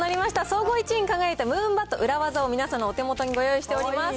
総合１位に輝いたムーンバット、ムーンバット、ウラワザを皆さんのお手元にご用意しております。